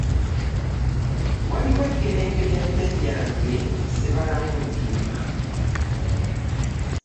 Waliwo eggerenge lyajjajjange Ssebalamu Mpiima.